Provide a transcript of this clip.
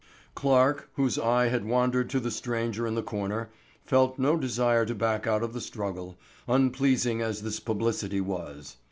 Clarke, whose eye had wandered to the stranger in the corner, felt no desire to back out of the struggle, unpleasing as this publicity was.